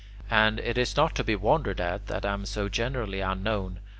And it is not to be wondered at that I am so generally unknown.